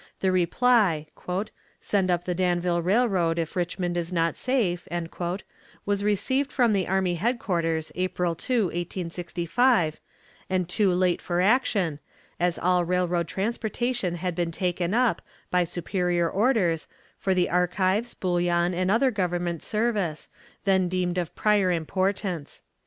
The reply, 'Send up the Danville Railroad if Richmond is not safe,' was received from the army headquarters, April 2, 1865, and too late for action, as all railroad transportation had then been taken up, by superior orders, for the archives, bullion, and other Government service, then deemed of prior importance.